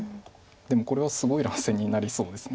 でもこれはすごい乱戦になりそうです。